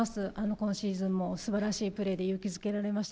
今シーズンもすばらしいプレーで勇気づけられました。